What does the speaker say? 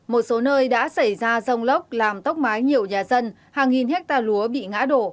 một số nơi đã xảy ra rông lốc làm tốc mái nhiều nhà dân hàng nghìn hectare lúa bị ngã đổ